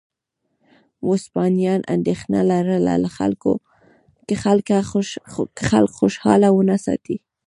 وسپاسیان اندېښنه لرله که خلک خوشاله ونه ساتي